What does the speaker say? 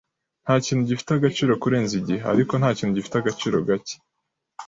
Ntakintu gifite agaciro kurenza igihe, ariko ntakintu gifite agaciro gake.